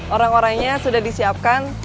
orang orangnya sudah disiapkan